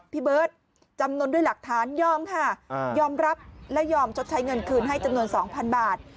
พี่เบิร์ตจำนวนด้วยหลักฐานยอมค่ะยอมรับและยอมชดใช้เงินคืนให้จำนวน๒๐๐บาท